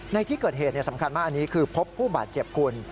ในที่เกิดเหตุสำคัญมากอันนี้คือพบผู้บาดเจ็บคุณ